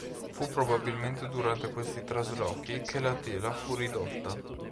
Fu probabilmente durante questi traslochi che la tela fu ridotta.